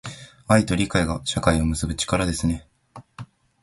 愛と理解が、社会を結ぶ力ですね。